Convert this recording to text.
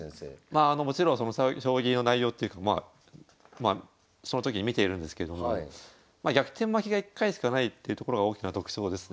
まああのもちろん将棋の内容っていうかまあその時に見ているんですけどもまあ逆転負けが１回しかないっていうところが大きな特徴ですね。